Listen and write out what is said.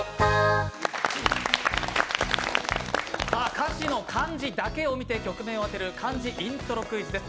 歌詞の漢字だけを見て曲名を当てる「漢字イントロクイズ」です。